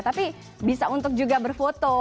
tapi bisa untuk juga berfoto